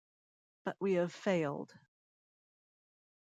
But we have failed.